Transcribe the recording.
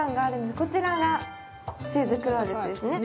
こちらがシューズクローゼットですね。